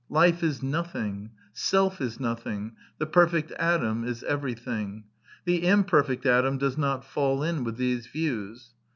Life is nothing: self is nothing: the perfect Adam is everything. The imperfect Adam does not fall in with these views.